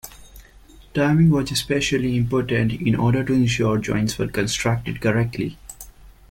Timing was especially important in order to ensure joints were constructed correctly.